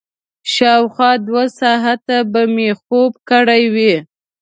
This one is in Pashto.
شاوخوا دوه ساعته به مې خوب کړی وي.